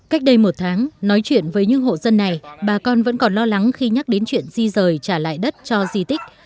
cách đây một tháng nói chuyện với những hộ dân này bà con vẫn còn lo lắng khi nhắc đến chuyện di rời trả lại đất cho di tích